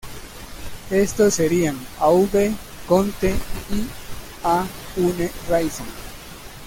Estos serían: "Aube", "Conte" y "À une Raison".